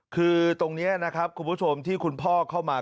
คือตรงนี้นะครับคุณผู้ชมที่คุณพ่อเข้ามา